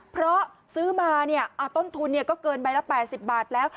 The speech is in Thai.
เพราะซื้อมาต้นทุนก็เกินใบละ๘๐บาทแล้ว